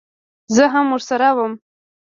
زه هم ورسره وم.